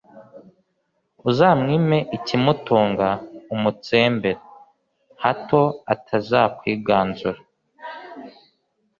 uzamwime ikimutunga, umutsembere, hato atazakwiganzura